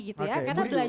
karena belajar dari